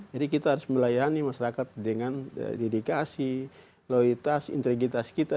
jadi kita harus melayani masyarakat dengan dedikasi loyalitas integritas kita